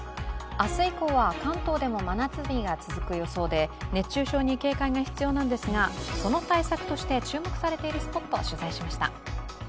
明日以降は関東でも真夏日が続く予想で熱中症に警戒が必要なんですが、その対策として注目されているスポット取材しました。